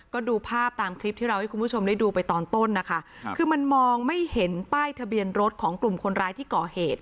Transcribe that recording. ก็ดูภาพตามคลิปที่เราให้คุณผู้ชมได้ดูไปตอนต้นนะคะคือมันมองไม่เห็นป้ายทะเบียนรถของกลุ่มคนร้ายที่ก่อเหตุ